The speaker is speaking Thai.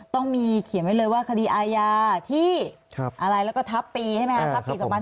ต้องมีเขียนไว้เลยว่าคดีอาญาที่อะไรแล้วก็ทับปีใช่ไหมครับ